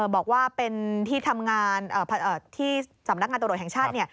บอกว่าเป็นที่ทำงานที่สำนักงานตรวจแห่งชาติ